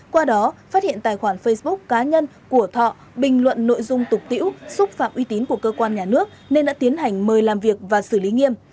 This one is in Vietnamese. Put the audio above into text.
qua đó phát hiện tài khoản facebook cá nhân của thọ bình luận nội dung tục tiễu xúc phạm uy tín của cơ quan nhà nước nên đã tiến hành mời làm việc và xử lý nghiêm